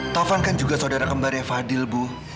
taufan kan juga saudara kembarnya fadil bu